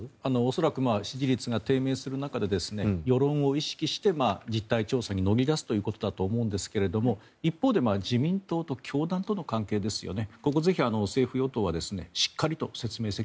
恐らく支持率が低迷する中で世論を意識して実態調査に乗り出すということだと思いますが一方で自民党と教団との関係ですよね。